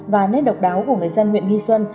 và nét độc đáo của người dân huyện nghi xuân